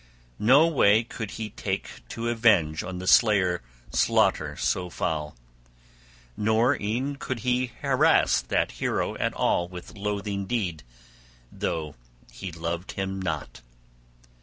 No way could he take to avenge on the slayer slaughter so foul; nor e'en could he harass that hero at all with loathing deed, though he loved him not.